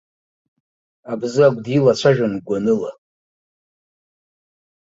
Абзагә дилацәажәон гәаныла.